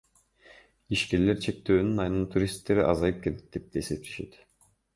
Ишкерлер чектөөнүн айынан туристтер азайып кетет деп эсептешет.